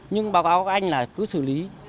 nhưng báo cáo các anh là cứ xử lý